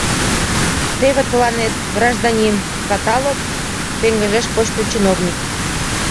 — Теве тыланет, гражданин, каталог, — пеҥыжеш почто чиновник.